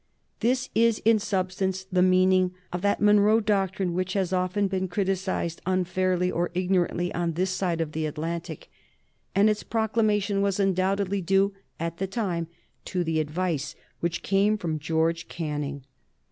This is in substance the meaning of that Monroe doctrine which has often been criticised unfairly or ignorantly on this side of the Atlantic, and its proclamation was undoubtedly due, at the time, to the advice which came from George Canning.